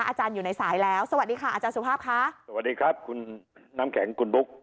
อาจารย์อยู่ในสายแล้วสวัสดีค่ะอาจารย์สุภาพค่ะสวัสดีครับคุณน้ำแข็งคุณบุ๊ค